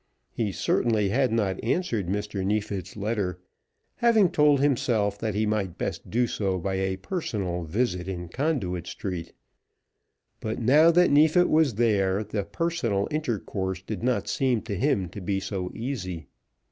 He certainly had not answered Mr. Neefit's letter, having told himself that he might best do so by a personal visit in Conduit Street; but now that Neefit was there, the personal intercourse did not seem to him to be so easy.